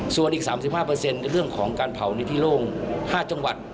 ส่วนอีก๓๕ในเรื่องของการเผาในที่โล่ง๕จังหวัด